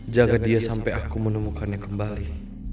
jaga dia sampai aku menemukannya kembali